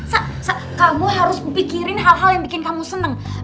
sa sa kamu harus pikirin hal hal yang bikin kamu senang